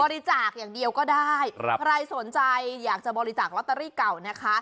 บริจาคอย่างเดียวก็ได้ครับใครสนใจอยากจะบริจาคลอตเตอรี่เก่านะคะ